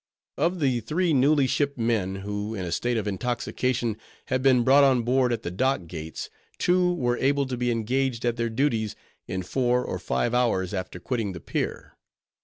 Of the three newly shipped men, who in a state of intoxication had been brought on board at the dock gates, two were able to be engaged at their duties, in four or five hours after quitting the pier.